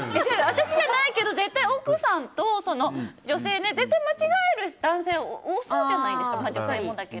私じゃないけど絶対、奥さんと女性で、絶対に間違える男性多そうじゃないですか。